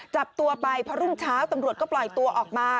จับตัวไปพอรุ่งเช้าตำรวจก็ปล่อยตัวออกมา